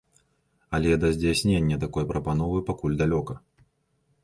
Але да здзяйснення такой прапановы пакуль далёка.